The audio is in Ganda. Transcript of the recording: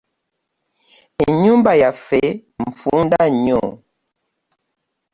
Ennyumba yaffe nfunda nnyo.